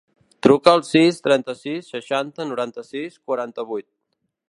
Truca al sis, trenta-sis, seixanta, noranta-sis, quaranta-vuit.